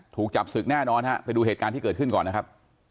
ถูกจับศึกแน่นอนฮะไปดูเหตุการณ์ที่เกิดขึ้นก่อนนะครับ